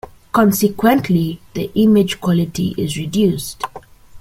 Consequently, the image quality is reduced.